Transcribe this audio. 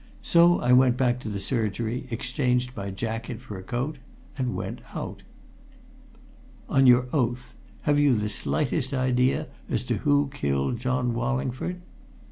So I went back to the surgery, exchanged my jacket for a coat and went out." "On your oath, have you the slightest idea as to who killed John Wallingford?"